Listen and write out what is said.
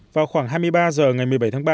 vào khoảng hai mươi ba h ngày một mươi bảy tháng ba